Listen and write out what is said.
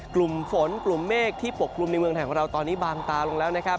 กลุ่มฝนกลุ่มเมฆที่ปกกลุ่มในเมืองไทยของเราตอนนี้บางตาลงแล้วนะครับ